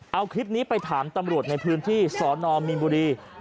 เอาคลิปนี้ไปถามตำรวจในพื้นที่สนมีนบุรี